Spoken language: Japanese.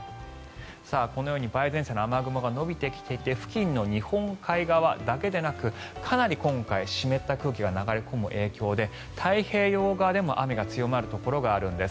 このように梅雨前線の雨雲が延びてきていて付近の日本海側だけでなくかなり、今回湿った空気が流れ込む影響で太平洋側でも雨が強まるところがあるんです。